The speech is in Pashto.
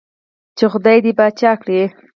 چې خدائے دې باچا کړه ـ